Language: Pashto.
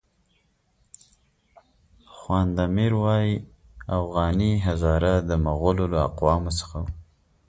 خواند امیر وایي اوغاني هزاره د مغولو له اقوامو څخه وو.